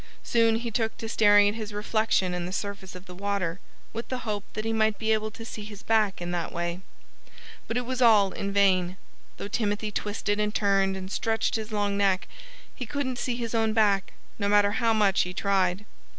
Soon he took to staring at his reflection in the surface of the water, with the hope that he might be able to see his back in that way. But it was all in vain. Though Timothy twisted and turned and stretched his long neck, he couldn't see his own back, no matter how much he tried.